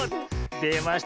でました。